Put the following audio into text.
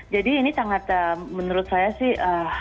jadi ini sangat menurut saya sih